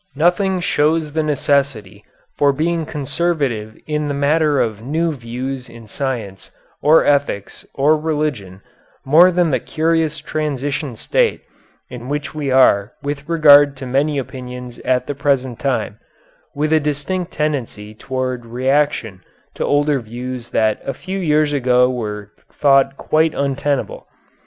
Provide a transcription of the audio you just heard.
Nothing shows the necessity for being conservative in the matter of new views in science or ethics or religion more than the curious transition state in which we are with regard to many opinions at the present time, with a distinct tendency toward reaction to older views that a few years ago were thought quite untenable.